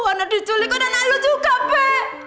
tahu anak diculik kok anak lo juga pe